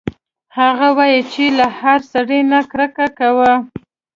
هغه وايي چې له هر سړي نه کرکه کوي